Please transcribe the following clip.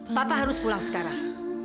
papa harus pulang sekarang